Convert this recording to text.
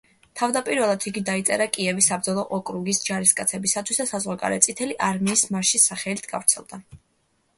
თავდაპირველად იგი დაიწერა კიევის საბრძოლო ოკრუგის ჯარისკაცებისათვის და საზღვარგარეთ „წითელი არმიის მარშის“ სახელით გავრცელდა.